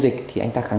mình đừng thật